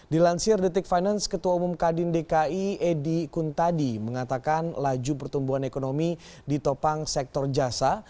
dilansir detik finance ketua umum kadin dki edi kuntadi mengatakan laju pertumbuhan ekonomi ditopang sektor jasa